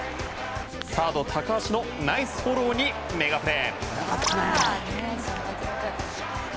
サード高橋のナイスフォローにメガプレ。